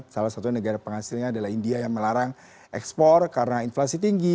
salah satu negara penghasilnya adalah india yang melarang ekspor karena inflasi tinggi